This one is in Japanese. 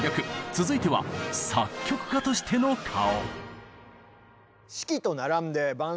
続いては作曲家としての顔。